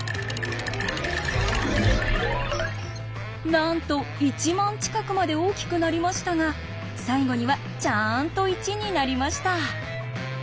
なんと１万近くまで大きくなりましたが最後にはちゃんと１になりました。